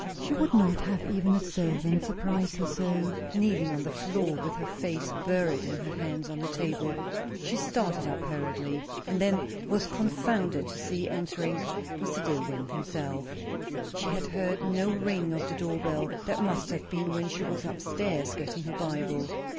She would not have even a servant surprise her so; kneeling on the floor with her face buried in her hands on the table. She started up hurriedly; and then was confounded to see entering Mr. Dillwyn himself. She had heard no ring of the door bell; that must have been when she was up stairs getting her Bible.